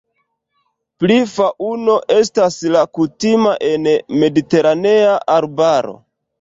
Pri faŭno estas la kutima en mediteranea arbaro.